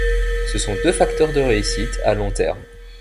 Ce sont deux facteurs de réussite à long terme.